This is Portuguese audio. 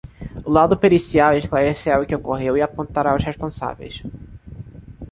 O laudo pericial esclarecerá o que ocorreu e apontará os responsáveis